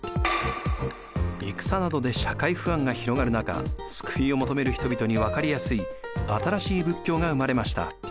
戦などで社会不安が広がる中救いを求める人々にわかりやすい新しい仏教が生まれました。